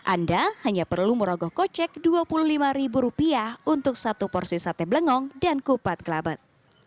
anda hanya perlu meraguh kocek dua puluh lima rupiah untuk satu porsi sate belengong dan kupat gelabet